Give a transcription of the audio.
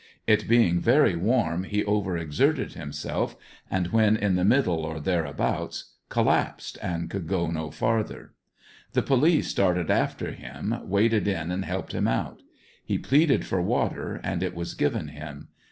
It being very warm he over exerted himself, and when in the middle or thereabouts, collapsed and could go no farther. The police started after him, waded in and helped him out. He pleaded for water and it was given him.